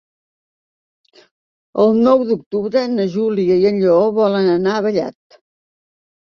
El nou d'octubre na Júlia i en Lleó volen anar a Vallat.